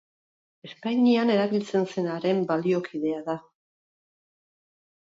Espainian erabiltzen zenaren baliokidea da.